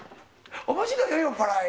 面白いよ酔っぱらい」